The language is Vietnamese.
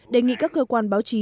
đề nghị các cơ quan báo chí